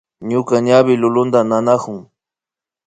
Ñuka ñawi lulunta nanakun